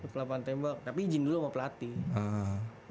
pelapan tembak tapi izin dulu sama pelatih